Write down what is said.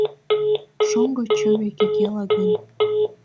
Шоҥго чыве кекела гын